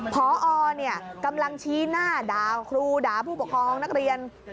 พอกำลังชี้หน้าด่าครูด่าผู้ปกครองนักเรียน